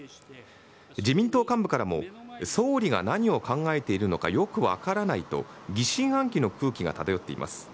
自民党幹部からも、総理が何を考えているのかよく分からないと、疑心暗鬼の空気が漂っています。